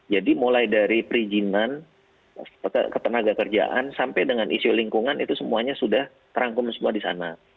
jadi mulai dari perizinan ke tenaga kerjaan sampai dengan isu lingkungan itu semuanya sudah terangkum semua di sana